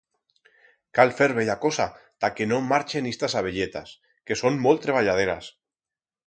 Cal fer bella cosa ta que no marchen istas abelletas, que son molt treballaderas.